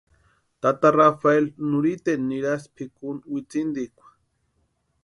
Tata Rafeli nurhiteni nirasti pʼikuni witsintikwa.